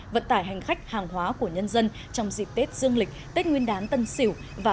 vận tải hành khách hàng hóa của nhân dân trong dịp tết dương lịch tết nguyên đán tân sỉu và